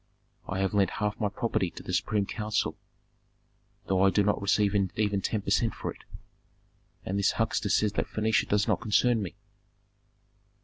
I have lent half my property to the supreme council, though I do not receive even ten per cent for it. And this huckster says that Phœnicia does not concern me!"